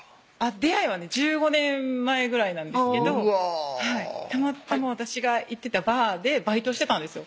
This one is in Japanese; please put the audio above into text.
出会いはね１５年前ぐらいなんですけどたまたま私が行ってたバーでバイトしてたんですよ